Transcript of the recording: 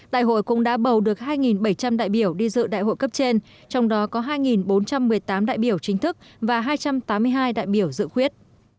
đại hội cũng đã bầu được hai bảy trăm linh đại biểu đi dự đại hội cấp trên trong đó có hai bốn trăm một mươi tám đại biểu chính thức và hai trăm tám mươi hai đại biểu dự quyết